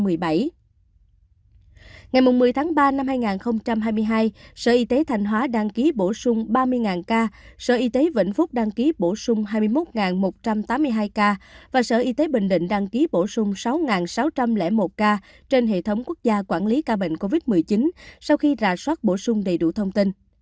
ngày một mươi tháng ba năm hai nghìn hai mươi hai sở y tế thành hóa đăng ký bổ sung ba mươi ca sở y tế vĩnh phúc đăng ký bổ sung hai mươi một một trăm tám mươi hai ca và sở y tế bình định đăng ký bổ sung sáu sáu trăm linh một ca trên hệ thống quốc gia quản lý ca bệnh covid một mươi chín sau khi rà soát bổ sung đầy đủ thông tin